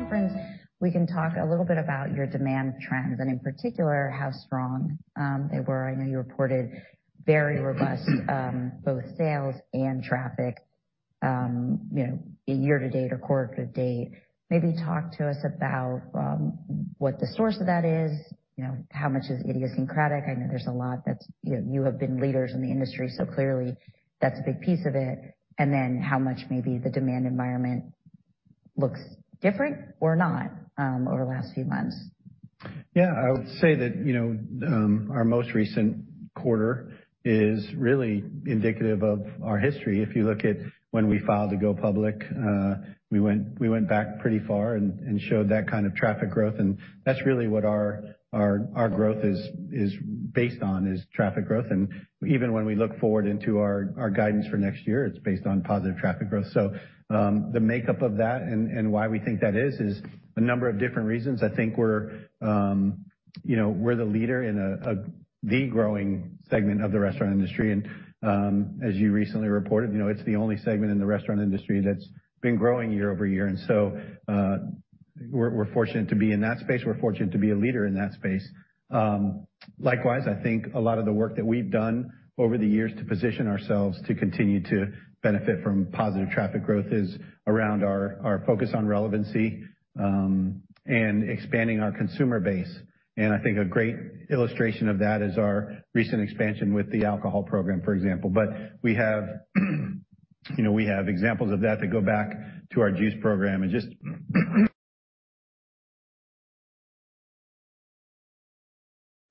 conference, we can talk a little bit about your demand trends, and in particular, how strong they were. I know you reported very robust both sales and traffic, you know, year to date or quarter to date. Maybe talk to us about what the source of that is, you know, how much is idiosyncratic. I know there's a lot that's, you know, you have been leaders in the industry, so clearly that's a big piece of it, and then how much maybe the demand environment looks different or not over the last few months. Yeah. I would say that, you know, our most recent quarter is really indicative of our history. If you look at when we filed to go public, we went back pretty far and showed that kind of traffic growth, and that's really what our growth is based on, is traffic growth. Even when we look forward into our guidance for next year, it's based on positive traffic growth. The makeup of that and why we think that is a number of different reasons. I think we're, you know, we're the leader in the growing segment of the restaurant industry. As you recently reported, you know, it's the only segment in the restaurant industry that's been growing year-over-year. We're fortunate to be in that space. We're fortunate to be a leader in that space. Likewise, I think a lot of the work that we've done over the years to position ourselves to continue to benefit from positive traffic growth is around our focus on relevancy, and expanding our consumer base. I think a great illustration of that is our recent expansion with the alcohol program, for example. We have, you know, we have examples of that to go back to our juice program and just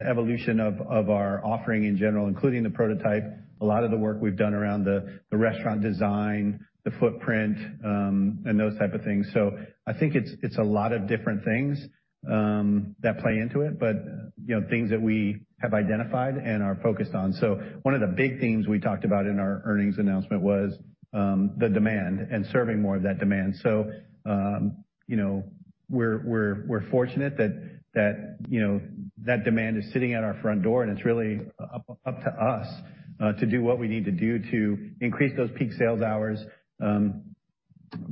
evolution of our offering in general, including the prototype, a lot of the work we've done around the restaurant design, the footprint, and those type of things. I think it's a lot of different things, that play into it, but, you know, things that we have identified and are focused on. One of the big themes we talked about in our earnings announcement was the demand and serving more of that demand. You know, we're fortunate that, you know, that demand is sitting at our front door, and it's really up to us to do what we need to do to increase those peak sales hours.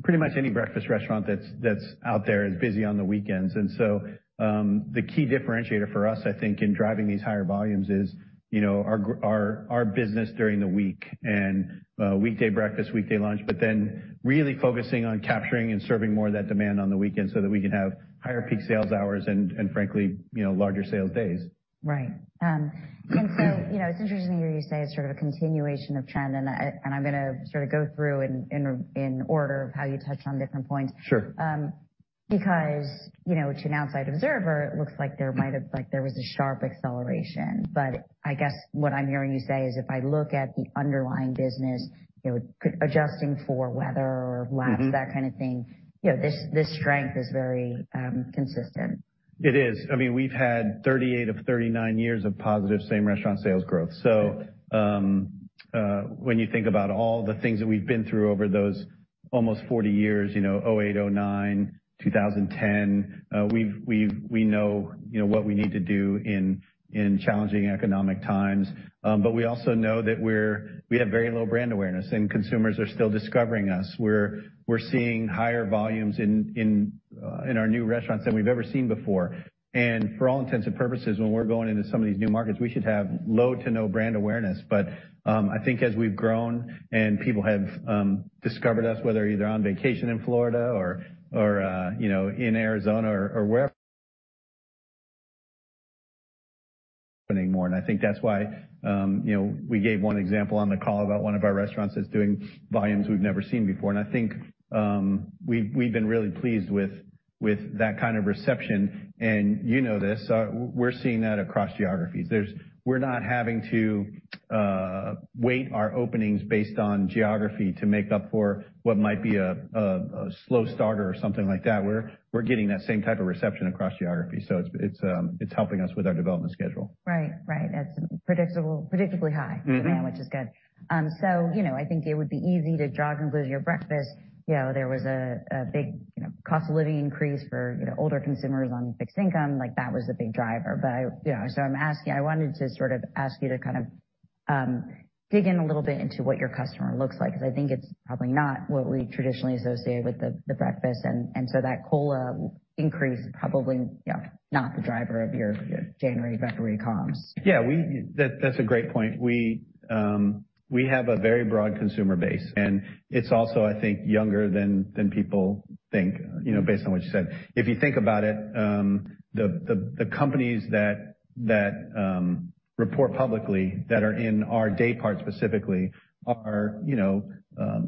Pretty much any breakfast restaurant that's out there is busy on the weekends. The key differentiator for us, I think, in driving these higher volumes is, you know, our business during the week and weekday breakfast, weekday lunch, but then really focusing on capturing and serving more of that demand on the weekend so that we can have higher peak sales hours and frankly, you know, larger sales days. Right. You know, it's interesting to hear you say it's sort of a continuation of trend, and I'm gonna sort of go through in order of how you touched on different points. Sure. Because, you know, to an outside observer, it looks like there was a sharp acceleration. I guess what I'm hearing you say is, if I look at the underlying business, you know, adjusting for weather or AUVs, that kind of thing, you know, this strength is very consistent. It is. I mean, we've had 38 of 39 years of positive same-restaurant sales growth. When you think about all the things that we've been through over those almost 40 years, you know, 2008, 2009, 2010, we know, you know, what we need to do in challenging economic times. We also know that we have very low brand awareness, and consumers are still discovering us. We're seeing higher volumes in our new restaurants than we've ever seen before. For all intents and purposes, when we're going into some of these new markets, we should have low to no brand awareness. I think as we've grown and people have discovered us, whether either on vacation in Florida or, you know, in Arizona or wherever more. I think that's why, you know, we gave one example on the call about one of our restaurants that's doing volumes we've never seen before. I think we've been really pleased with that kind of reception, and you know this. We're seeing that across geographies. There's. We're not having to weight our openings based on geography to make up for what might be a slow starter or something like that. We're getting that same type of reception across geographies. It's helping us with our development schedule. Right. Right. That's predictable, predictably high demand, which is good. You know, I think it would be easy to jog and lose your breakfast. You know, there was a big, you know, cost of living increase for, you know, older consumers on fixed income, like that was the big driver. I, you know, I wanted to sort of ask you to kind of dig in a little bit into what your customer looks like, because I think it's probably not what we traditionally associate with the breakfast. So that COLA increase is probably, you know, not the driver of your January, February comps. Yeah. That's a great point. We have a very broad consumer base, and it's also, I think, younger than people think, you know, based on what you said. If you think about it, the companies that report publicly that are in our day part specifically are, you know,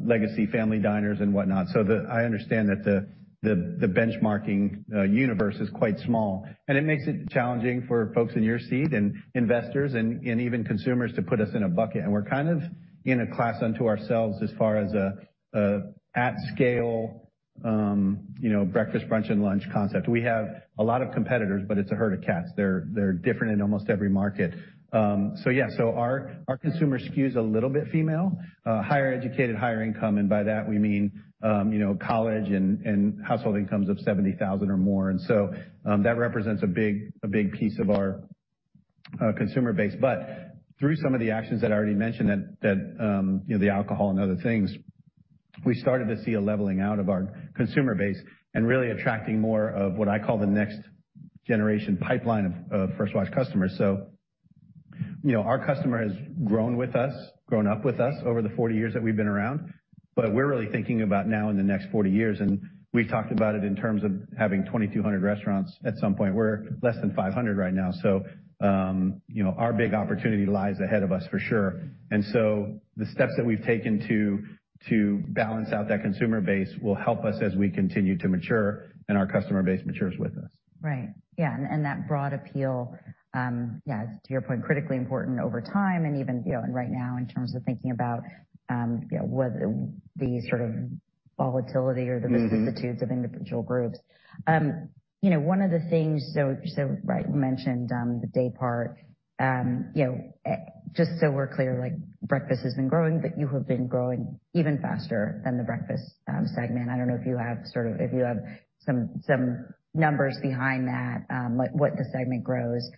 legacy family diners and whatnot. I understand that the benchmarking universe is quite small, and it makes it challenging for folks in your seat and investors and even consumers to put us in a bucket. We're kind of in a class unto ourselves as far as a at scale, you know, breakfast, brunch, and lunch concept. We have a lot of competitors, but it's a herd of cats. They're different in almost every market. Yeah. Our consumer skews a little bit female, higher educated, higher income, and by that we mean, you know, college and household incomes of 70,000 or more. That represents a big piece of our consumer base. Through some of the actions that I already mentioned that, you know, the alcohol and other things, we started to see a leveling out of our consumer base and really attracting more of what I call the next generation pipeline of First Watch customers. You know, our customer has grown with us, grown up with us over the 40 years that we've been around, but we're really thinking about now in the next 40 years, and we talked about it in terms of having 2,200 restaurants at some point. We're less than 500 right now, so, you know, our big opportunity lies ahead of us for sure. The steps that we've taken to balance out that consumer base will help us as we continue to mature and our customer base matures with us. Right. Yeah. That broad appeal, yeah, to your point, critically important over time and even, you know, and right now in terms of thinking about, you know, whether these sort of volatility or the vicissitudes of individual groups. You know, one of the things, so right, you mentioned the day part. You know, just so we're clear, like, breakfast has been growing, but you have been growing even faster than the breakfast segment. I don't know if you have sort of if you have some numbers behind that, like what the segment grows?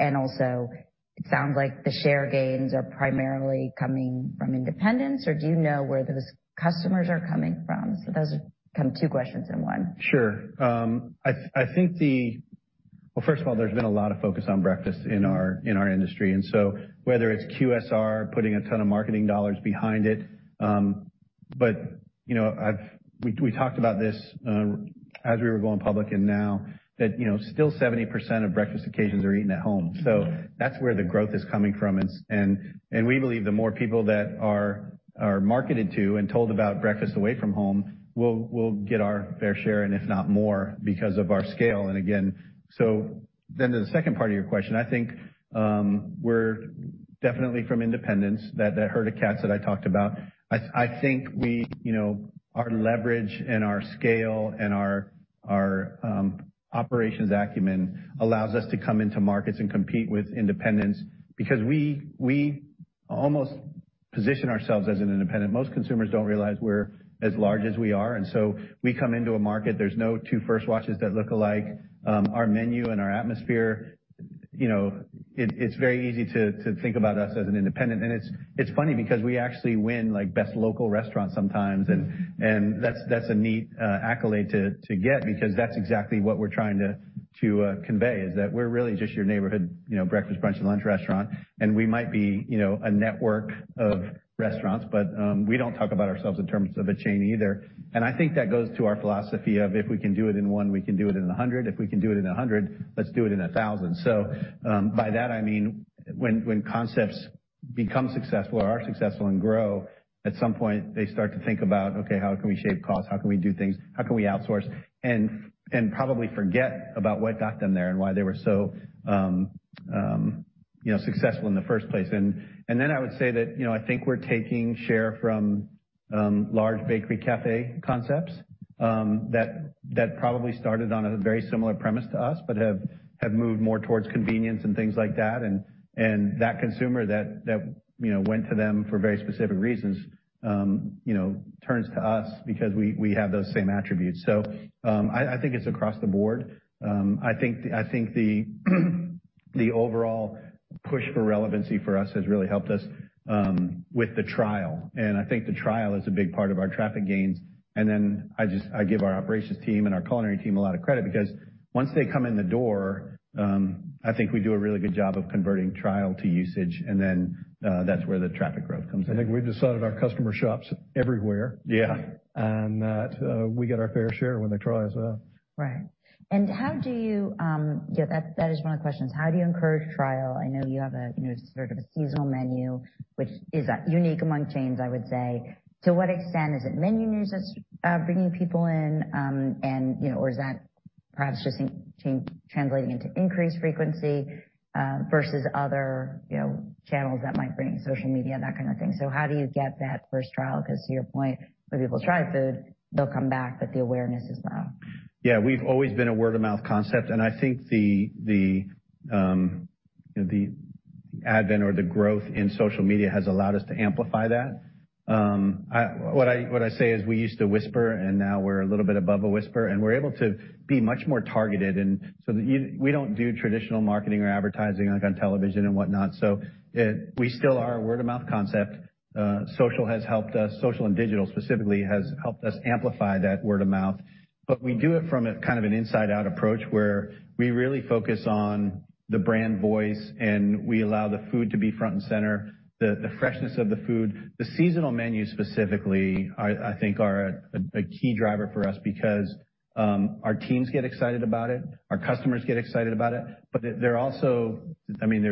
Also it sounds like the share gains are primarily coming from independents, or do you know where those customers are coming from? Those are kind of two questions in one. Sure. Well, first of all, there's been a lot of focus on breakfast in our industry, whether it's QSR putting a ton of marketing dollars behind it, you know, we talked about this as we were going public and now that, you know, still 70% of breakfast occasions are eaten at home. That's where the growth is coming from. We believe the more people that are marketed to and told about breakfast away from home, we'll get our fair share and if not more because of our scale. Again, to the second part of your question, I think, we're definitely from independents that herd of cats that I talked about. I think we, you know, our leverage and our scale and our operations acumen allows us to come into markets and compete with independents because we almost position ourselves as an independent. Most consumers don't realize we're as large as we are. We come into a market, there's no two First Watches that look alike. Our menu and our atmosphere, you know, it's very easy to think about us as an independent. It's funny because we actually win like best local restaurant sometimes, and that's a neat accolade to get because that's exactly what we're trying to convey is that we're really just your neighborhood, you know, breakfast, brunch, and lunch restaurant. We might be, you know, a network of restaurants, but we don't talk about ourselves in terms of a chain either. I think that goes to our philosophy of if we can do it in 1, we can do it in 100. If we can do it in 100, let's do it in 1,000. By that I mean when concepts become successful or are successful and grow, at some point they start to think about, okay, how can we shave costs? How can we do things? How can we outsource? Probably forget about what got them there and why they were so, you know, successful in the first place. I would say that, you know, I think we're taking share from large bakery cafe concepts that probably started on a very similar premise to us, but have moved more towards convenience and things like that. That consumer that, you know, went to them for very specific reasons, you know, turns to us because we have those same attributes. I think it's across the board. I think the overall push for relevancy for us has really helped us with the trial, and I think the trial is a big part of our traffic gains. I give our operations team and our culinary team a lot of credit because once they come in the door, I think we do a really good job of converting trial to usage, and then, that's where the traffic growth comes in. I think we've decided our customer shops everywhere. Yeah. That, we get our fair share when the trial is up. Right. How do you, yeah, that is one of the questions. How do you encourage trial? I know you have a, you know, sort of a seasonal menu, which is unique among chains, I would say. To what extent is it menu news that's bringing people in, and, you know, or is that perhaps just translating into increased frequency versus other, you know, channels that might bring social media, that kind of thing? How do you get that first trial? 'Cause to your point, when people try food, they'll come back, but the awareness is low. Yeah. We've always been a word of mouth concept. I think the, you know, the advent or the growth in social media has allowed us to amplify that. What I, what I say is we used to whisper, and now we're a little bit above a whisper, and we're able to be much more targeted. We don't do traditional marketing or advertising like on television and whatnot. We still are a word of mouth concept. Social has helped us. Social and digital specifically has helped us amplify that word of mouth. We do it from a kind of an inside out approach where we really focus on the brand voice, and we allow the food to be front and center. The freshness of the food. The seasonal menu specifically I think are a key driver for us because, our teams get excited about it, our customers get excited about it, but they're also... I mean,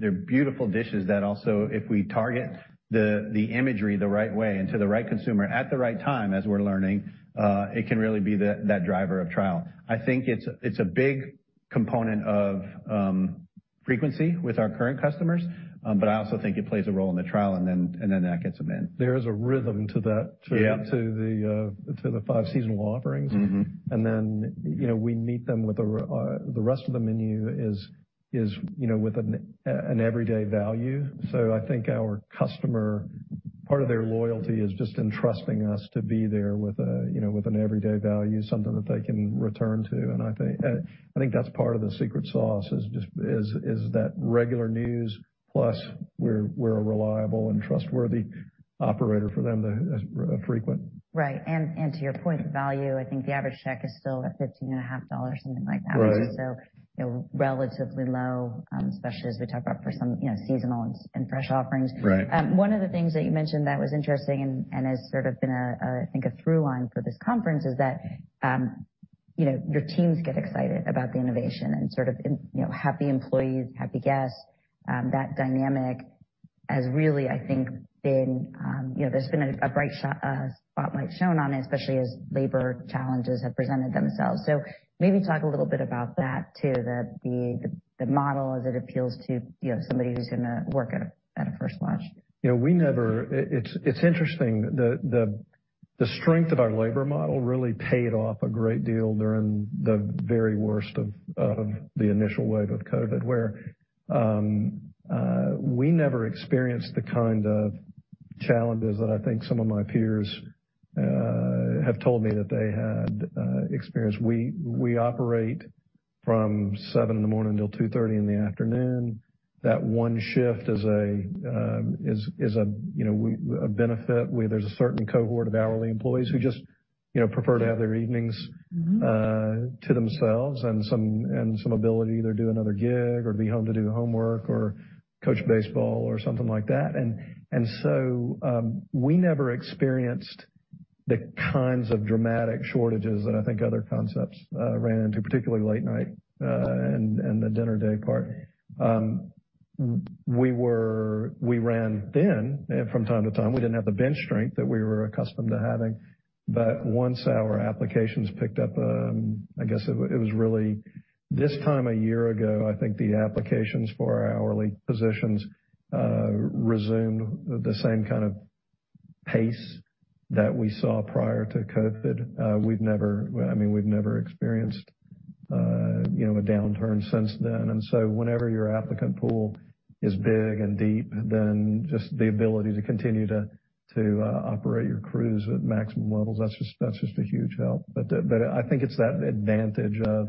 they're beautiful dishes that also if we target the imagery the right way and to the right consumer at the right time as we're learning, it can really be that driver of trial. I think it's a big component of Frequency with our current customers, but I also think it plays a role in the trial, and then that gets them in. There is a rhythm to that. Yeah. To the five seasonal offerings. Mm-hmm. You know, we meet them with the rest of the menu is, you know, with an everyday value. I think our customer, part of their loyalty is just in trusting us to be there with a, you know, with an everyday value, something that they can return to. I think, I think that's part of the secret sauce is just that regular news, plus we're a reliable and trustworthy operator for them to frequent. Right. To your point, the value, I think the average check is still at fifteen and a half dollars, something like that. Right. you know, relatively low, especially as we talk about for some, you know, seasonal and fresh offerings. Right. One of the things that you mentioned that was interesting and has sort of been, I think, a through line for this conference is that, you know, your teams get excited about the innovation and sort of, you know, happy employees, happy guests. That dynamic has really, I think, been, you know, there's been a bright spotlight shown on it, especially as labor challenges have presented themselves. Maybe talk a little bit about that too, the model as it appeals to, you know, somebody who's gonna work at a First Watch. You know, we never. It's interesting. The strength of our labor model really paid off a great deal during the very worst of the initial wave of COVID, where we never experienced the kind of challenges that I think some of my peers have told me that they had experienced. We operate from 7 in the morning till 2:30 in the afternoon. That one shift is a, you know, a benefit, where there's a certain cohort of hourly employees who just, you know, prefer to have their evenings. Mm-hmm. to themselves and some ability to either do another gig or be home to do homework or coach baseball or something like that. We never experienced the kinds of dramatic shortages that I think other concepts ran into, particularly late night and the dinner day part. We ran thin from time to time. We didn't have the bench strength that we were accustomed to having. Once our applications picked up, I guess it was really this time a year ago, I think the applications for our hourly positions resumed the same kind of pace that we saw prior to COVID. We've never, I mean, we've never experienced, you know, a downturn since then. Whenever your applicant pool is big and deep, then just the ability to continue to operate your crews at maximum levels, that's just a huge help. But I think it's that advantage of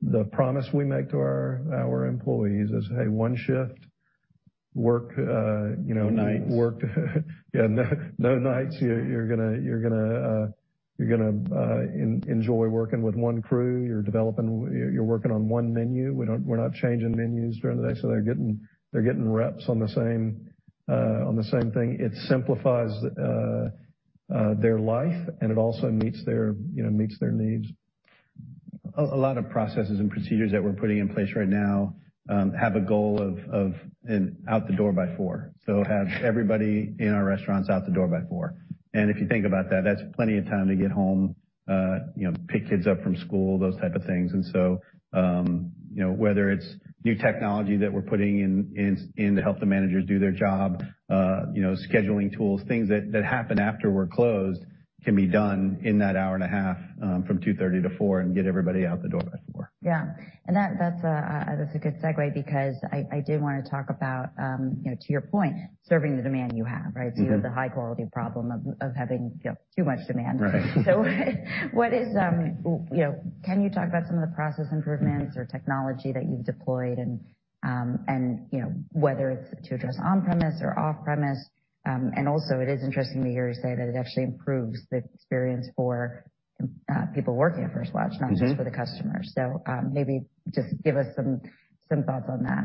the promise we make to our employees is, "Hey, one shift, work, you know. Nights. Yeah, no nights. You're gonna enjoy working with one crew. You're working on one menu. We're not changing menus during the day, so they're getting reps on the same on the same thing. It simplifies their life, and it also meets their, you know, needs. A lot of processes and procedures that we're putting in place right now, have a goal of an out the door by 4. Have everybody in our restaurants out the door by 4. If you think about that's plenty of time to get home, you know, pick kids up from school, those type of things. You know, whether it's new technology that we're putting in to help the managers do their job, you know, scheduling tools, things that happen after we're closed can be done in that hour and a half, from 2:30 to 4 and get everybody out the door by 4. Yeah. that's a good segue because I did wanna talk about, you know, to your point, serving the demand you have, right? Mm-hmm. You have the high quality problem of having, you know, too much demand. Right. What is, you know, can you talk about some of the process improvements or technology that you've deployed and, you know, whether it's to address on-premise or off-premise? Also it is interesting to hear you say that it actually improves the experience for, people working at First Watch-. Mm-hmm. Not just for the customers. maybe just give us some thoughts on that.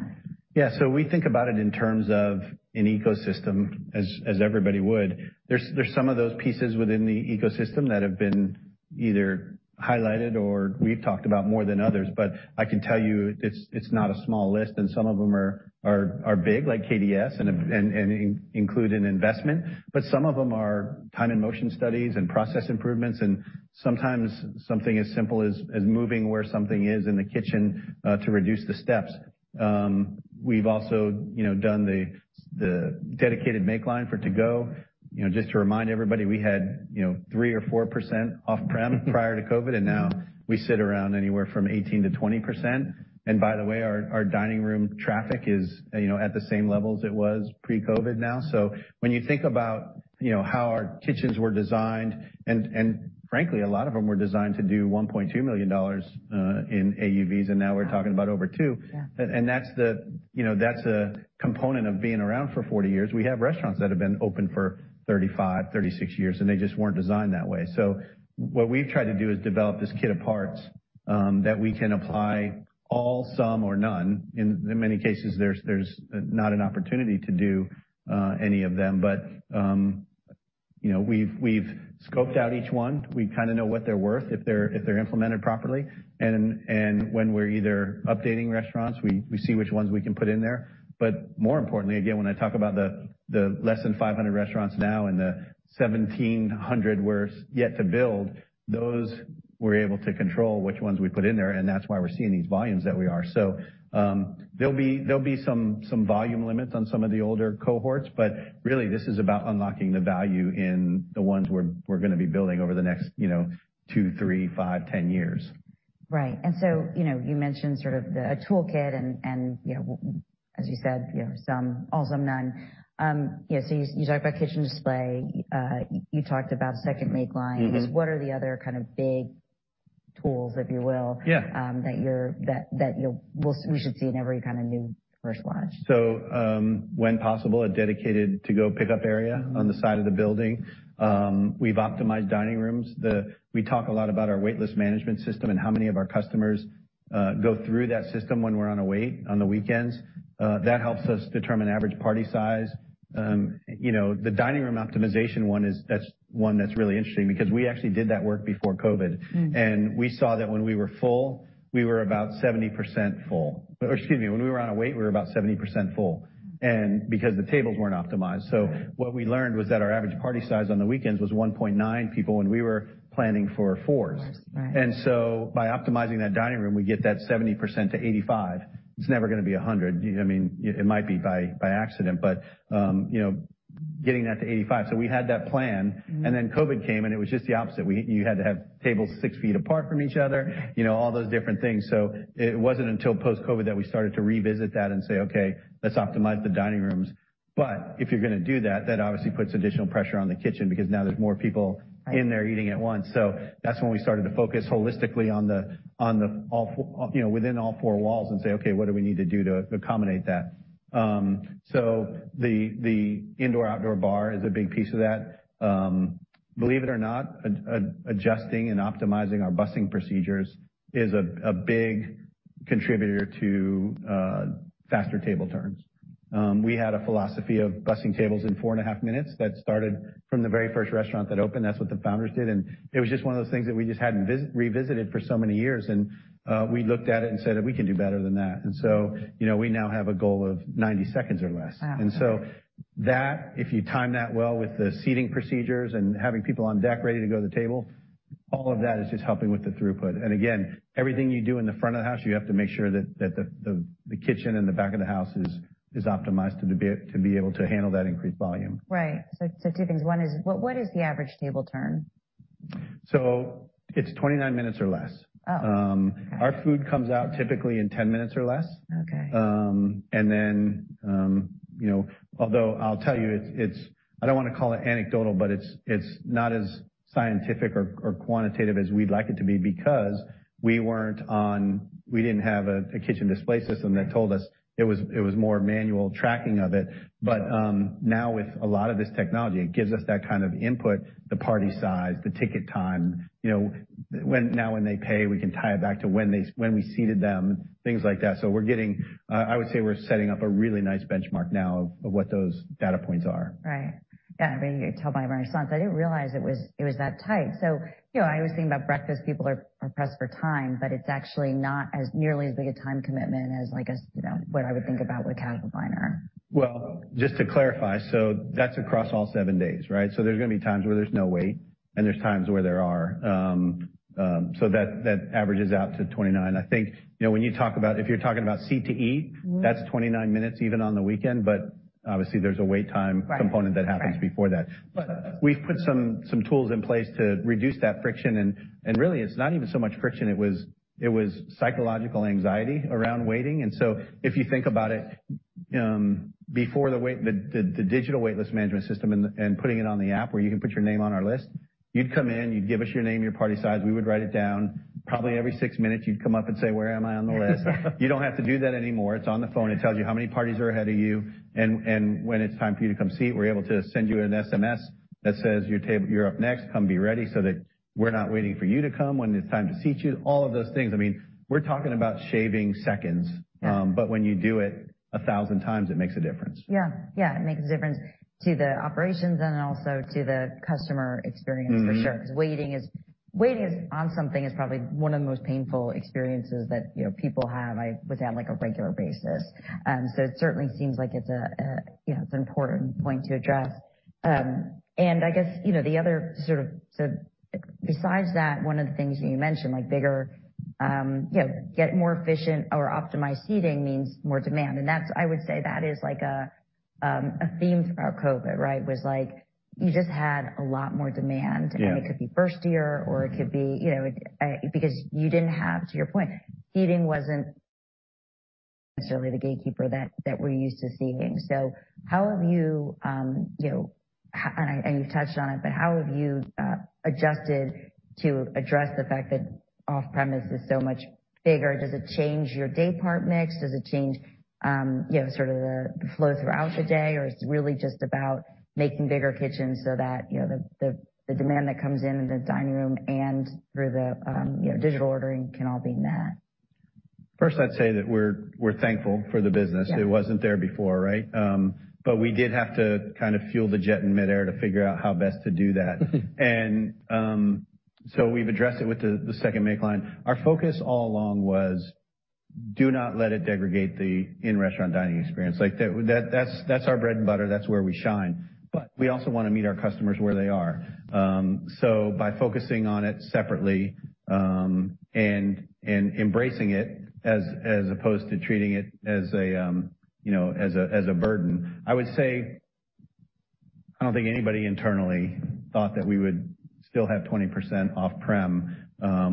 Yeah. We think about it in terms of an ecosystem as everybody would. There's some of those pieces within the ecosystem that have been either highlighted or we've talked about more than others, but I can tell you it's not a small list, and some of them are big, like KDS and include an investment, but some of them are time and motion studies and process improvements and sometimes something as simple as moving where something is in the kitchen to reduce the steps. We've also, you know, done the dedicated make line for off-prem. You know, just to remind everybody, we had, you know, 3 or 4% off-prem prior to COVID, and now we sit around anywhere from 18%-20%. By the way, our dining room traffic is, you know, at the same level as it was pre-COVID now. When you think about, you know, how our kitchens were designed and frankly, a lot of them were designed to do $1.2 million in AUVs, and now we're talking about over 2. Yeah. That's the, you know, that's a component of being around for 40 years. We have restaurants that have been open for 35, 36 years, and they just weren't designed that way. What we've tried to do is develop this kit of parts that we can apply all, some or none. In many cases, there's not an opportunity to do any of them. You know, we've scoped out each one. We kinda know what they're worth, if they're implemented properly. When we're either updating restaurants, we see which ones we can put in there. More importantly, again, when I talk about the less than 500 restaurants now and the 1,700 we're yet to build, those we're able to control which ones we put in there, and that's why we're seeing these volumes that we are. There'll be some volume limits on some of the older cohorts, but really this is about unlocking the value in the ones we're gonna be building over the next, you know, 2, 3, 5, 10 years. Right. You know, you mentioned sort of a toolkit and, you know, as you said, you know, some, all, some, none. You know, so you talked about kitchen display, you talked about second make lines. Mm-hmm. What are the other kind of big tools, if you will? Yeah ...we should see in every kind of new Fresh Lodge? When possible, a dedicated to-go pickup area on the side of the building. We've optimized dining rooms. We talk a lot about our waitlist management system and how many of our customers go through that system when we're on a wait on the weekends. That helps us determine average party size. You know, the dining room optimization one is that's one that's really interesting because we actually did that work before COVID. Mm. We saw that when we were full, we were about 70% full. Excuse me, when we were on a wait, we were about 70% full, and because the tables weren't optimized. Right. What we learned was that our average party size on the weekends was 1.9 people when we were planning for fours. 4s, right. By optimizing that dining room, we get that 70% to 85%. It's never gonna be 100%. You know what I mean? It might be by accident, but, you know, getting that to 85%. We had that plan. Mm. COVID came, and it was just the opposite. You had to have tables six feet apart from each other. Right. You know, all those different things. It wasn't until post-COVID that we started to revisit that and say, "Okay, let's optimize the dining rooms." If you're gonna do that obviously puts additional pressure on the kitchen because now there's more people- Right ...in there eating at once. That's when we started to focus holistically on the, you know, within all four walls and say, "Okay, what do we need to do to accommodate that?" So the indoor-outdoor bar is a big piece of that. Believe it or not, adjusting and optimizing our busing procedures is a big contributor to faster table turns. We had a philosophy of busing tables in 4 and a half minutes that started from the very first restaurant that opened. That's what the founders did, and it was just one of those things that we just hadn't revisited for so many years. We looked at it and said that we can do better than that. You know, we now have a goal of 90 seconds or less. Wow, okay. That, if you time that well with the seating procedures and having people on deck ready to go to the table, all of that is just helping with the throughput. Again, everything you do in the front of the house, you have to make sure that the kitchen in the back of the house is optimized to be able to handle that increased volume. Right. Two things. One is what is the average table turn? it's 29 minutes or less. Oh, okay. Our food comes out typically in 10 minutes or less. Okay. You know, although I'll tell you, it's, I don't wanna call it anecdotal, but it's not as scientific or quantitative as we'd like it to be because we didn't have a kitchen display system that told us. It was, it was more manual tracking of it. Sure. Now with a lot of this technology, it gives us that kind of input, the party size, the ticket time. You know, now when they pay, we can tie it back to when we seated them, things like that. We're getting, I would say we're setting up a really nice benchmark now of what those data points are. Right. Yeah, I mean, you can tell by Renaissance. I didn't realize it was, it was that tight. you know, I always think about breakfast, people are pressed for time, but it's actually not as nearly as big a time commitment as like a, you know, what I would think about with casual diner. Just to clarify, that's across all 7 days, right? There's gonna be times where there's no wait, and there's times where there are. That averages out to 29. I think, you know, if you're talking about seat to eat. Mm-hmm ...that's 29 minutes even on the weekend, but obviously there's a wait time... Right ...component that happens before that. Right. We've put some tools in place to reduce that friction, and really, it's not even so much friction. It was psychological anxiety around waiting. If you think about it, before the digital waitlist management system and putting it on the app where you can put your name on our list, you'd come in, you'd give us your name, your party size, we would write it down. Probably every 6 minutes you'd come up and say, "Where am I on the list?" You don't have to do that anymore. It's on the phone. It tells you how many parties are ahead of you and when it's time for you to come seat. We're able to send you an SMS that says, "Your table. You're up next. Come be ready," so that we're not waiting for you to come when it's time to seat you. All of those things. I mean, we're talking about shaving seconds. Yeah. When you do it 1,000 times, it makes a difference. Yeah. Yeah. It makes a difference to the operations and also to the customer experience. Mm-hmm ...for sure, 'cause waiting is on something is probably one of the most painful experiences that, you know, people have, I would say, on like a regular basis. It certainly seems like it's a, you know, it's an important point to address. I guess, you know, the other sort of. Besides that, one of the things you mentioned, like bigger, you know, get more efficient or optimized seating means more demand, and that's, I would say that is like a theme throughout COVID, right? Was like you just had a lot more demand. Yeah. It could be first year or it could be, you know, because you didn't have, to your point, seating wasn't necessarily the gatekeeper that we're used to seeing. How have you know, and you've touched on it, but how have you adjusted to address the fact that off-premise is so much bigger? Does it change your day part mix? Does it change, you know, sort of the flow throughout the day, or is it really just about making bigger kitchens so that, you know, the demand that comes in the dining room and through the, you know, digital ordering can all be met? First, I'd say that we're thankful for the business. Yeah. It wasn't there before, right? We did have to kind of fuel the jet in midair to figure out how best to do that. We've addressed it with the second make line. Our focus all along was do not let it degrade the in-restaurant dining experience. Like, that's our bread and butter, that's where we shine. We also wanna meet our customers where they are. By focusing on it separately, and embracing it as opposed to treating it as a, you know, as a, as a burden. I would say I don't think anybody internally thought that we would still have 20% off-prem,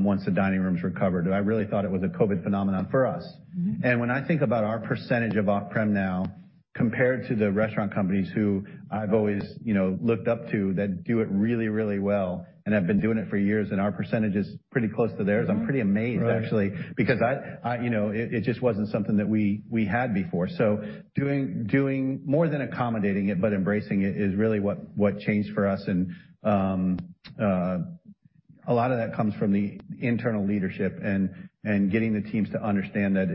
once the dining rooms recovered. I really thought it was a COVID phenomenon for us. Mm-hmm. When I think about our percentage of off-prem now compared to the restaurant companies who I've always, you know, looked up to that do it really, really well and have been doing it for years, and our percentage is pretty close to theirs, I'm pretty amazed actually. Right. You know, it just wasn't something that we had before. Doing more than accommodating it, but embracing it is really what changed for us and a lot of that comes from the internal leadership and getting the teams to understand that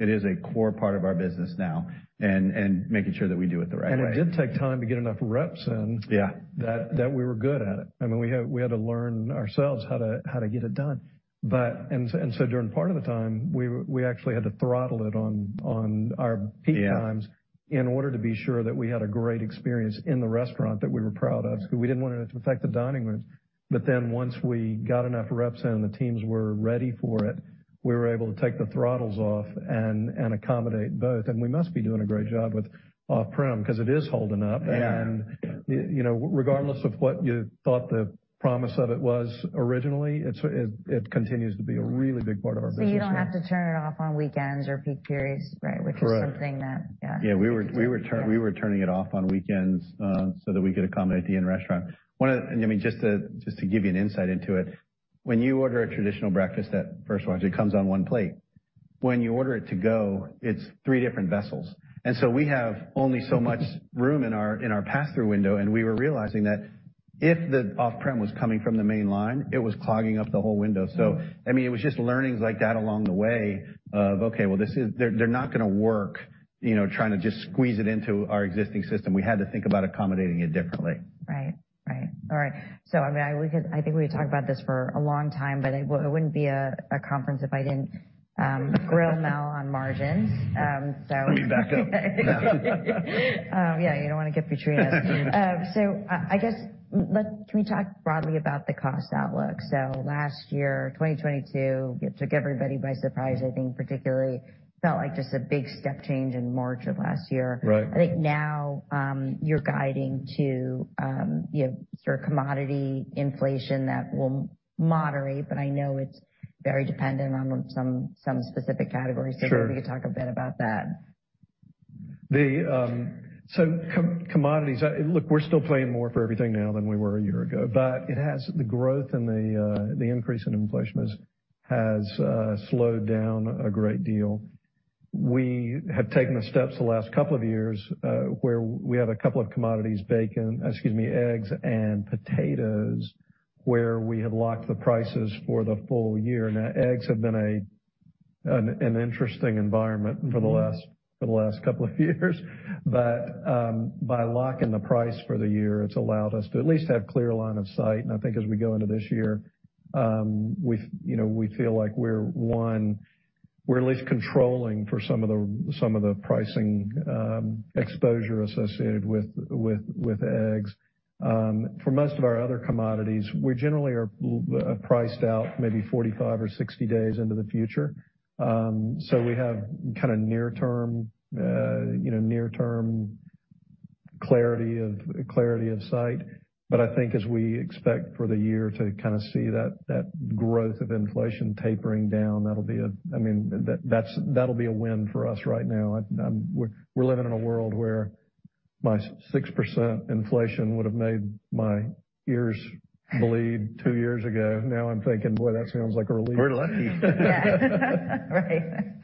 it is a core part of our business now and making sure that we do it the right way. it did take time to get enough reps in... Yeah... that we were good at it. I mean, we had to learn ourselves how to get it done. During part of the time, we actually had to throttle it on our peak times. Yeah... in order to be sure that we had a great experience in the restaurant that we were proud of. We didn't want it to affect the dining room. Once we got enough reps and the teams were ready for it, we were able to take the throttles off and accommodate both. We must be doing a great job with off-prem 'cause it is holding up. Yeah. You know, regardless of what you thought the promise of it was originally, it's, it continues to be a really big part of our business. You don't have to turn it off on weekends or peak periods, right? Correct. Which is something that. Yeah. Yeah, we were turning it off on weekends so that we could accommodate the in-restaurant. I mean, just to give you an insight into it, when you order a traditional breakfast at First Watch, it comes on one plate. When you order it to go, it's three different vessels. We have only so much room in our pass-through window, and we were realizing that if the off-prem was coming from the main line, it was clogging up the whole window. I mean, it was just learnings like that along the way of, okay, well, this is, they're not gonna work, you know, trying to just squeeze it into our existing system. We had to think about accommodating it differently. Right. Right. All right. I mean, I think we could talk about this for a long time, but it wouldn't be a conference if I didn't grill Mel on margins. Let me back up. Yeah, you don't wanna get between us. I guess let's can we talk broadly about the cost outlook? Last year, 2022, it took everybody by surprise, I think particularly. Felt like just a big step change in March of last year. Right. I think now, you're guiding to, you know, sort of commodity inflation that will moderate, but I know it's very dependent on some specific categories. Sure. Maybe you could talk a bit about that. Commodities. Look, we're still paying more for everything now than we were a year ago, but the growth and the increase in inflation has slowed down a great deal. We have taken the steps the last 2 years, where we have 2 commodities, bacon, excuse me, eggs and potatoes, where we have locked the prices for the full year. Now, eggs have been an interesting environment for the last 2 years. By locking the price for the year, it's allowed us to at least have clear line of sight. I think as we go into this year, we, you know, we feel like we're, 1, we're at least controlling for some of the pricing exposure associated with eggs. For most of our other commodities, we generally are priced out maybe 45 or 60 days into the future. We have kinda near-term, you know, near-term clarity of sight. I think as we expect for the year to kinda see that growth of inflation tapering down, that'll be a win for us right now. We're living in a world where my 6% inflation would've made my ears bleed two years ago. Now I'm thinking, "Boy, that sounds like a relief. We're lucky. Yeah. Right.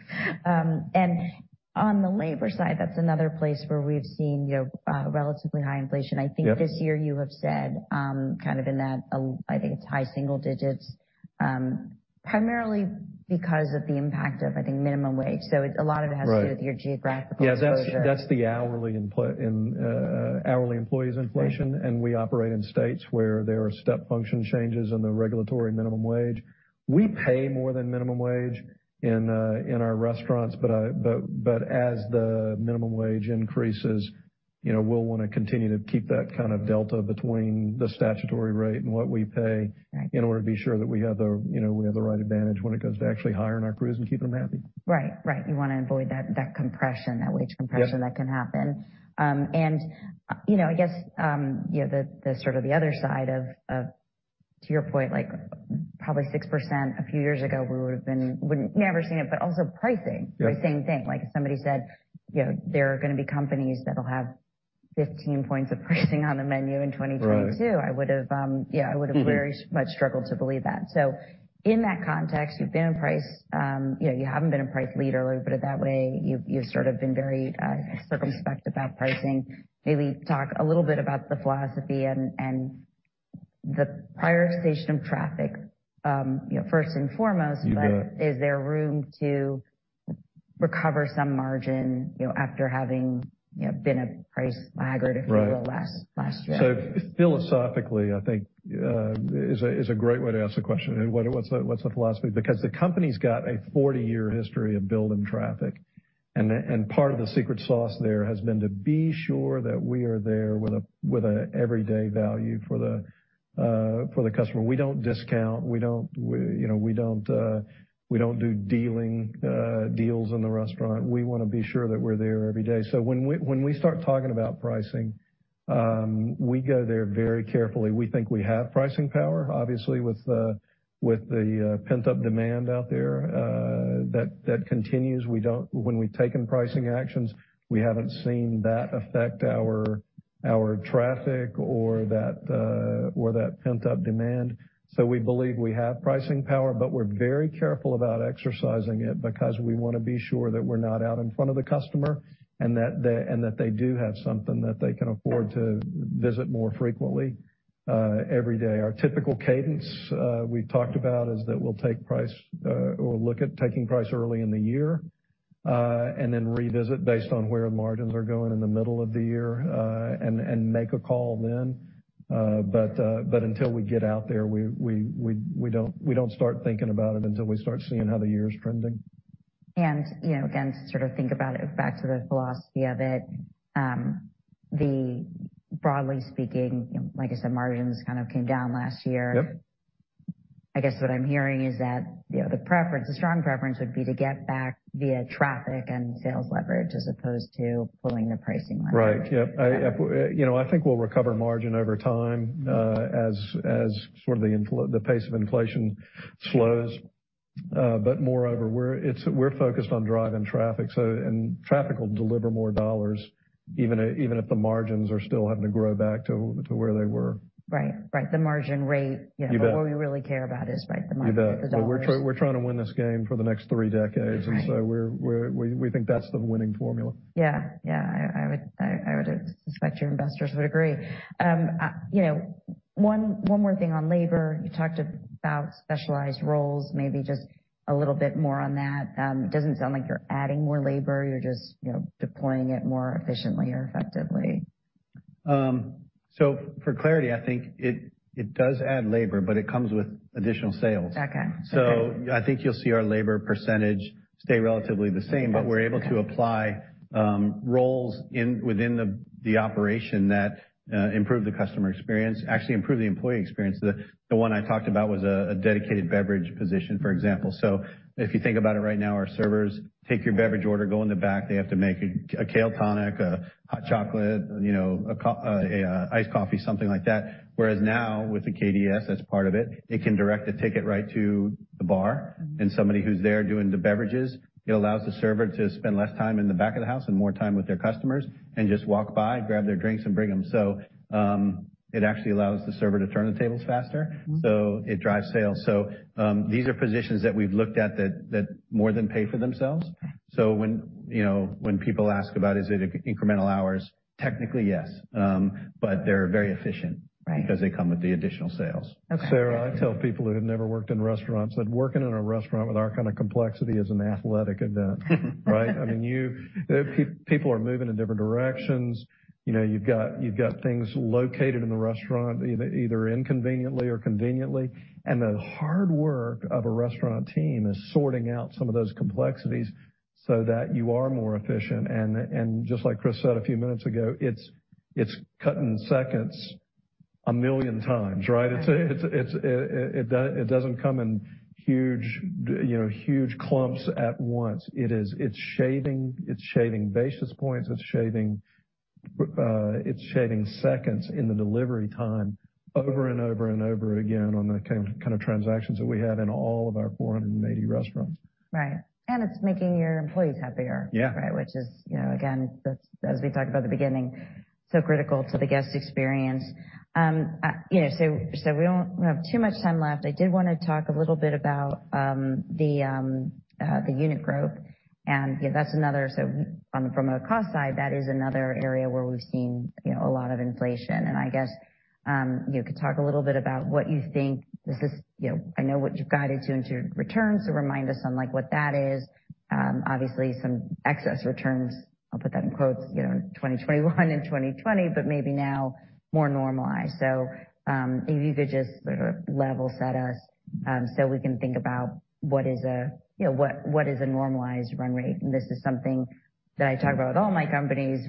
On the labor side, that's another place where we've seen, you know, relatively high inflation. Yep. I think this year you have said, kind of in that, I think it's high single digits, primarily because of the impact of, I think, minimum wage. A lot of it has to do with. Right... your geographical exposure. Yeah, that's the hourly input in hourly employees inflation. We operate in states where there are step function changes in the regulatory minimum wage. We pay more than minimum wage in our restaurants, but as the minimum wage increases, you know, we'll wanna continue to keep that kind of delta between the statutory rate and what we pay. Right... in order to be sure that we have the, you know, we have the right advantage when it comes to actually hiring our crews and keeping them happy. Right. You wanna avoid that compression, that wage compression. Yeah... that can happen. You know, I guess, you know, the sort of the other side of, to your point, like probably 6% a few years ago, we would've never seen it, but also pricing. Yeah. The same thing. Like if somebody said, you know, "There are gonna be companies that'll have 15 points of pricing on the menu in 2022. Right. I would've, yeah, I would've very much struggled to believe that. In that context, you've been a price, you know, you haven't been a price leader. Let me put it that way. You've sort of been very circumspect about pricing. Maybe talk a little bit about the philosophy and the prioritization of traffic, you know, first and foremost. You bet. Is there room to recover some margin, you know, after having, you know, been a price laggard? Right. if you will, last year? Philosophically, I think, is a great way to ask the question, what's the philosophy? Because the company's got a 40-year history of building traffic. Part of the secret sauce there has been to be sure that we are there with a everyday value for the customer. We don't discount, we don't, you know, we don't do dealing deals in the restaurant. We wanna be sure that we're there every day. When we start talking about pricing, we go there very carefully. We think we have pricing power, obviously with the pent-up demand out there that continues. When we've taken pricing actions, we haven't seen that affect our traffic or that pent-up demand. We believe we have pricing power, but we're very careful about exercising it because we wanna be sure that we're not out in front of the customer, and that they do have something that they can afford to visit more frequently, every day. Our typical cadence, we've talked about, is that we'll take price, or we'll look at taking price early in the year, and then revisit based on where margins are going in the middle of the year, and make a call then. Until we get out there, we don't start thinking about it until we start seeing how the year is trending. You know, again, to sort of think about it back to the philosophy of it, broadly speaking, you know, like I said, margins kind of came down last year. Yep. I guess what I'm hearing is that, you know, the preference, the strong preference would be to get back via traffic and sales leverage as opposed to pulling the pricing leverage. Right. Yep. I, you know, I think we'll recover margin over time, as sort of the pace of inflation slows. Moreover, we're focused on driving traffic, so, and traffic will deliver more dollars even if the margins are still having to grow back to where they were. Right. Right. The margin rate, you know- You bet. What we really care about is, right, the margin, the dollars. You bet. We're trying to win this game for the next three decades. Right. We think that's the winning formula. Yeah. Yeah. I would suspect your investors would agree. You know, one more thing on labor. You talked about specialized roles, maybe just a little bit more on that. It doesn't sound like you're adding more labor, you're just, you know, deploying it more efficiently or effectively. For clarity, I think it does add labor, but it comes with additional sales. Okay. Okay. I think you'll see our labor percentage stay relatively the same. Okay. We're able to apply roles in, within the operation that improve the customer experience, actually improve the employee experience. The one I talked about was a dedicated beverage position, for example. If you think about it right now, our servers take your beverage order, go in the back, they have to make a Kale Tonic, a hot chocolate, you know, a iced coffee, something like that. Whereas now with the KDS, that's part of it can direct the ticket right to the bar and somebody who's there doing the beverages. It allows the server to spend less time in the back of the house and more time with their customers and just walk by, grab their drinks, and bring them. It actually allows the server to turn the tables faster. Mm-hmm. It drives sales. These are positions that we've looked at that more than pay for themselves. Okay. When, you know, when people ask about is it incremental hours? Technically, yes. But they're very efficient. Right. because they come with the additional sales. Okay. Sarah, I tell people who have never worked in restaurants that working in a restaurant with our kind of complexity is an athletic event. Right? I mean, people are moving in different directions. You know, you've got things located in the restaurant either inconveniently or conveniently. The hard work of a restaurant team is sorting out some of those complexities so that you are more efficient. Just like Chris said a few minutes ago, it's cut in seconds 1 million times, right? Right. It doesn't come in huge, you know, huge clumps at once. It is, it's shaving basis points. It's shaving seconds in the delivery time over and over and over again on the kind of transactions that we have in all of our 480 restaurants. Right. It's making your employees happier. Yeah. Right. Which is, you know, again, that's as we talked about at the beginning, so critical to the guest experience. you know, so we don't have too much time left. I did wanna talk a little bit about the unit growth, and, you know, from a cost side, that is another area where we've seen, you know, a lot of inflation. I guess you could talk a little bit about what you think. This is, you know, I know what you've guided to into your returns, so remind us on, like, what that is. Obviously some excess returns, I'll put that in quotes, you know, in 2021 and 2020, but maybe now more normalized. If you could just sort of level set us, so we can think about what is a, you know, what is a normalized run rate. This is something that I talk about with all my companies.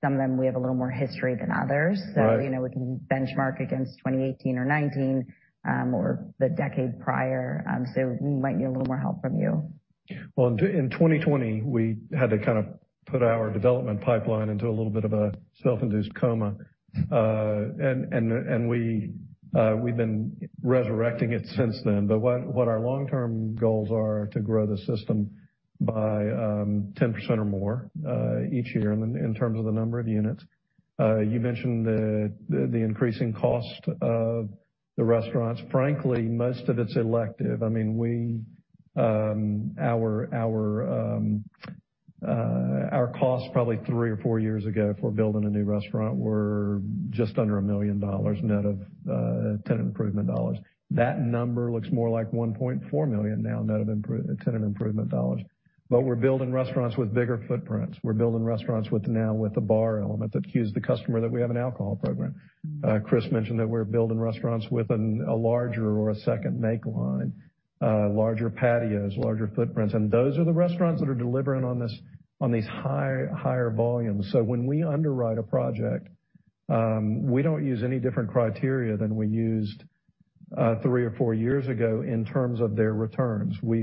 Some of them, we have a little more history than others. Right. You know, we can benchmark against 2018 or 2019, or the decade prior. We might need a little more help from you. Well, in 2020, we had to kind of put our development pipeline into a little bit of a self-induced coma. We've been resurrecting it since then. Our long-term goals are to grow the system by 10% or more each year in terms of the number of units. You mentioned the increasing cost of the restaurants. Frankly, most of it's elective. I mean, we, our cost probably three or four years ago for building a new restaurant were just under $1 million net of tenant improvement dollars. That number looks more like $1.4 million now net of tenant improvement dollars. We're building restaurants with bigger footprints. We're building restaurants with now with a bar element that cues the customer that we have an alcohol program. Chris mentioned that we're building restaurants with a larger or a second make line, larger patios, larger footprints, and those are the restaurants that are delivering on this, on these higher volumes. When we underwrite a project, we don't use any different criteria than we used, 3 or 4 years ago in terms of their returns. We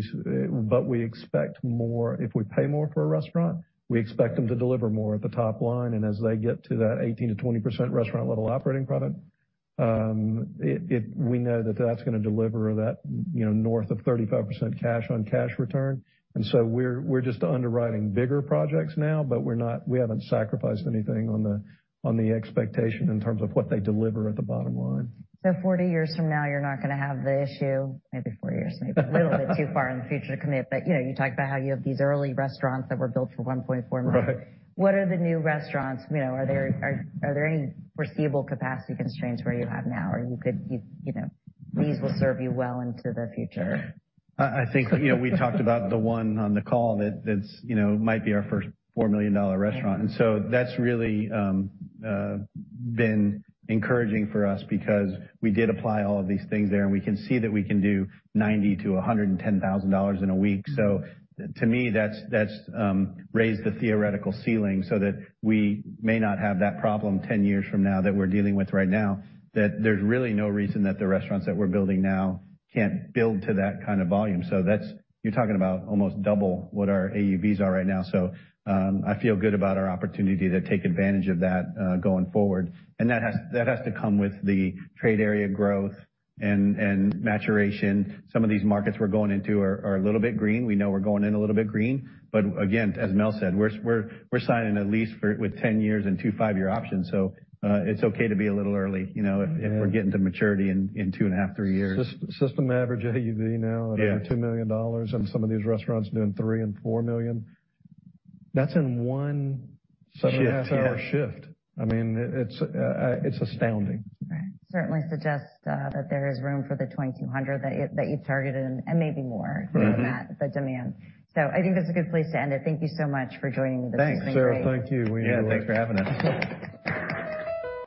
expect more. If we pay more for a restaurant, we expect them to deliver more at the top line, and as they get to that 18%-20% restaurant-level operating profit, We know that that's gonna deliver that, you know, north of 35% cash on cash return. We're just underwriting bigger projects now, but we haven't sacrificed anything on the, on the expectation in terms of what they deliver at the bottom line. 40 years from now, you're not going to have the issue. Maybe 40 years may be a little bit too far in the future to commit, but, you know, you talked about how you have these early restaurants that were built for $1.4 million. Right. What are the new restaurants, you know, are there any foreseeable capacity constraints where you have now or you know, these will serve you well into the future? I think, you know, we talked about the one on the call that's, you know, might be our first $4 million restaurant. That's really been encouraging for us because we did apply all of these things there, and we can see that we can do $90,000-$110,000 in a week. To me, that's raised the theoretical ceiling so that we may not have that problem 10 years from now that we're dealing with right now, that there's really no reason that the restaurants that we're building now can't build to that kind of volume. That's. You're talking about almost double what our AUVs are right now. I feel good about our opportunity to take advantage of that going forward. That has to come with the trade area growth and maturation. Some of these markets we're going into are a little bit green. We know we're going in a little bit green. Again, as Mel said, we're signing a lease for with 10 years and two five-year options, it's okay to be a little early, you know, if we're getting to maturity in two and a half, three years. System average AUV now at over $2 million, and some of these restaurants doing $3 million and $4 million. That's in 1 seven and a half hour shift. I mean, it's astounding. Right. Certainly suggests that there is room for the 2,200 that you targeted and maybe more. Mm-hmm. given that, the demand. I think this is a good place to end it. Thank you so much for joining me. This has been great. Sarah. Thank you. We enjoyed. Yeah, thanks for having us.